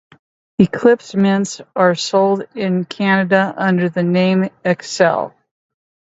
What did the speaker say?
Eclipse mints are sold in Canada under the name Excel.